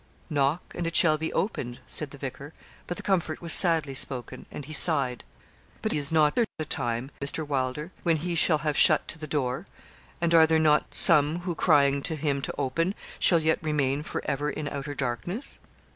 'Knock, and it shall be opened,' said the vicar; but the comfort was sadly spoken, and he sighed. 'But is not there a time, Mr. Wylder, when He shall have shut to the door, and are there not some who, crying to him to open, shall yet remain for ever in outer darkness?'